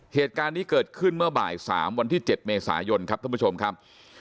เหตุการณ์นี้เกิดขึ้นเมื่อบ่าย๓วันที่๗เมษายนครับท่านผู้ชมครับ